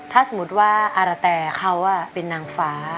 ถ้าสมมุติว่าอารแต่เขาเป็นนางฟ้า